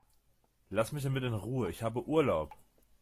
Lass mich damit in Ruhe, ich habe Urlaub!